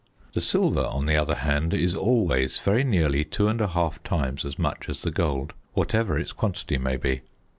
The silver, on the other hand, is always very nearly two and a half times as much as the gold, whatever its quantity may be.